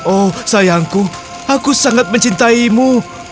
oh sayangku aku sangat mencintaimu